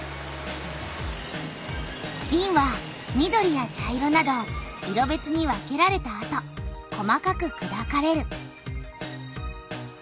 びんは緑や茶色など色べつに分けられたあと細かくくだかれる。